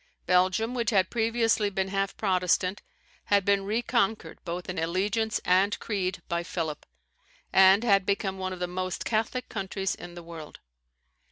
Belgium, which had previously been half Protestant, had been reconquered both in allegiance and creed by Philip, and had become one of the most Catholic countries in the world.